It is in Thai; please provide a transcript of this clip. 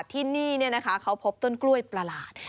ที่นี่เขาพบต้นกล้วยประหลาด